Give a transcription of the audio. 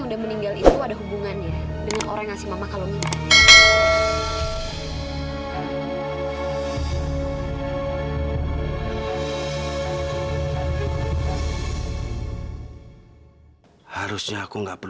sampai jumpa di video selanjutnya